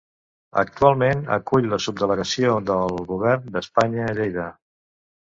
Actualment acull la subdelegació del Govern d'Espanya a Lleida.